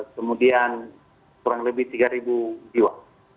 kemudian kurang lebih tiga jiwa